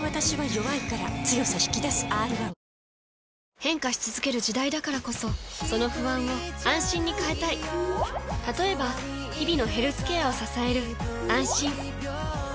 変化し続ける時代だからこそその不安を「あんしん」に変えたい例えば日々のヘルスケアを支える「あんしん」